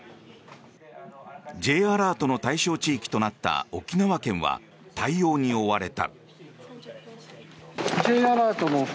Ｊアラートの対象地域となった沖縄県は対応に追われた。